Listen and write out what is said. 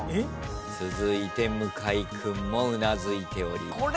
続いて向井君もうなずいております。